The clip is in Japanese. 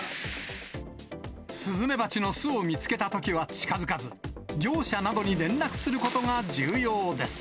スズメバチの巣を見つけたときは近づかず、業者などに連絡することが重要です。